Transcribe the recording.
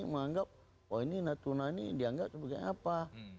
menganggap wah ini natuna ini dianggap sebagai apa